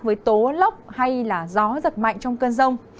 với tố lốc hay gió giật mạnh trong cơn rông